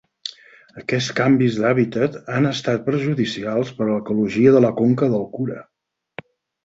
Aquests canvis d"hàbitat han estat perjudicials per a l"ecologia de la conca del Kura.